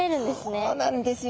そうなんですよ。